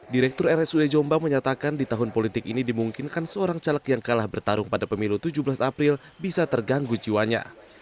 direktur rsud jombang menyatakan di tahun politik ini dimungkinkan seorang caleg yang kalah bertarung pada pemilu tujuh belas april bisa terganggu jiwanya